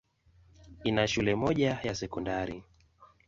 Ina shule moja ya sekondari.